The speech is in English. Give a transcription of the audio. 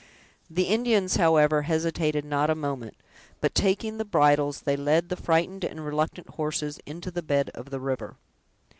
The Indians, however, hesitated not a moment, but taking the bridles, they led the frightened and reluctant horses into the bed of the river.